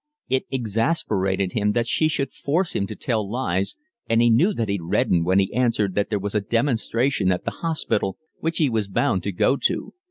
It exasperated him that she should force him to tell lies, and he knew that he reddened when he answered that there was a demonstration at the hospital which he was bound to go to.